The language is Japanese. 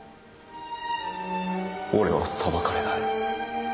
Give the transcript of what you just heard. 俺は裁かれない？